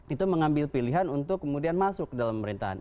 itu mengambil pilihan untuk kemudian masuk ke dalam pemerintahan